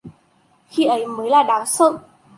khi ấy mới là đáng sợ